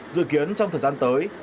dự kiến trong thời gian tới